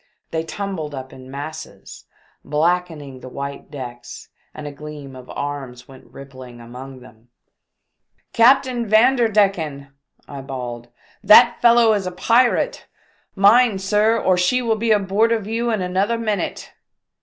They tumbled up in masses, blackening the white decks, and a gleam of arms went rippling among them. "Captain Vanderdecken!" I bawled, "that fellow is a pirate ! Mind, sir, or she will be aboard of you in another minute